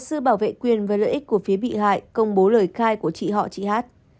trương nhật nhớ đồng hành với lợi ích của phía bị hại công bố lời khai của chị họ chị hát